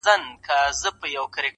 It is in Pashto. له ګرېوانه یې شلېدلي دُردانې وې!!